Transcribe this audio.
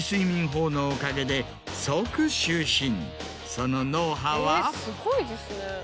その脳波は。